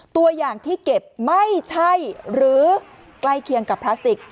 ตัวอย่างที่เก็บไม่ใช่หรือใกล้เคียงกับพลาสติก